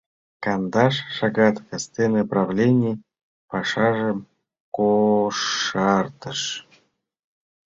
Кандаш шагат кастене правлений пашажым кошартыш.